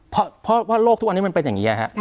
เพราะว่าโลกทุกวันนี้มันเป็นอย่างนี้